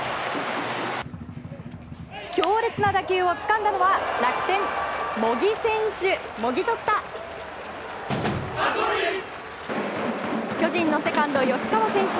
強烈な打球をつかんだのは楽天、茂木選手。